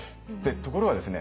ところがですね